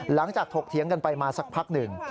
หลังจากถกเถียงกันไปมาสักพักหนึ่ง